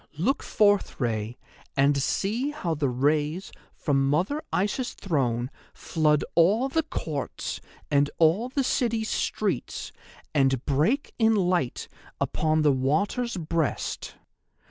Look forth, Rei, and see how the rays from Mother Isis' throne flood all the courts and all the city's streets and break in light upon the water's breast.